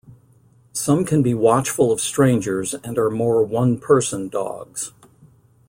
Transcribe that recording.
Some can be watchful of strangers and are more one-person dogs.